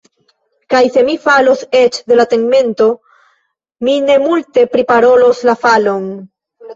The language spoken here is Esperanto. Kaj se mi falos eĉ de la tegmento, mi ne multe priparolos la falon.